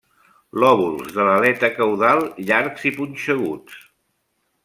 Lòbuls de l'aleta caudal llargs i punxeguts.